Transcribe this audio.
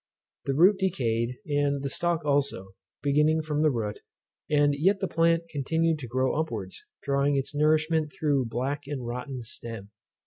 The root decayed, and the stalk also, beginning from the root; and yet the plant continued to grow upwards, drawing its nourishment through a black and rotten stem.